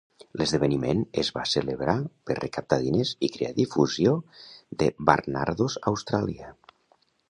L'esdeveniment es va celebrar per recaptar diners i crear difusió de Barnardos Austràlia.